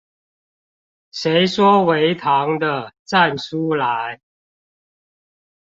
誰說微糖的站出來